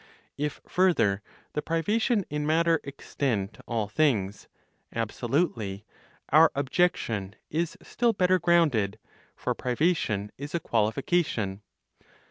If further the privation in matter extend to all things, absolutely, our objection is still better grounded, for privation is a qualification.